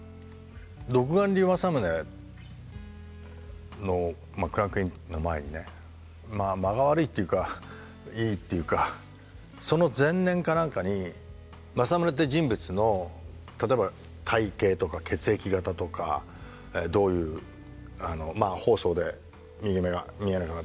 「独眼竜政宗」のクランクインの前にねまあ間が悪いっていうかいいっていうかその前年か何かに政宗って人物の例えば体形とか血液型とかどういうまあ疱瘡で右目が見えなくなったとか。